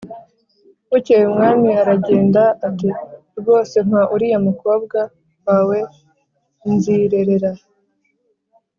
bukeye umwami aragenda ati ‘rwose mpa uriya mukobwa wawe nzirerera.